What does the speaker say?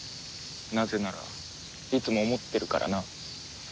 なぜならいつも思ってるからな。